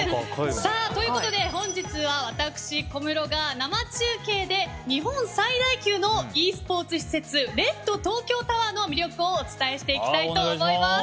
ということで本日は私、小室が生中継で日本最大級のｅスポーツ施設ＲＥＤ°ＴＯＫＹＯＴＯＷＥＲの魅力をお伝えしていきたいと思います。